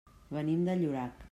Venim de Llorac.